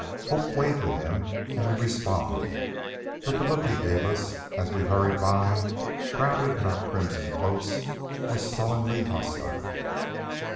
Hope waved to him and he responded, but the look he gave us as we hurried by shrouded in our crimson cloaks was sullenly hostile.